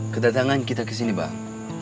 kedatangan kita ke sini bang